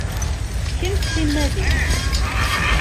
Kem s timmaḍ-im.